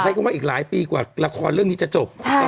คำว่าอีกหลายปีกว่าละครเรื่องนี้จะจบ